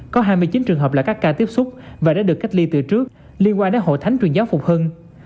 có hai mươi chín trường hợp là các ca tiếp xúc và đã được cách ly từ trước liên quan đến hội thánh truyền giáo phục hưng